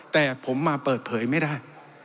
แต่ผมมาเปิดเผยไม่ได้